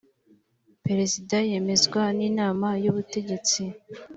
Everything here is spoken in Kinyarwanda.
Perezida yemezwa n ‘inama y ‘ubutegetsi.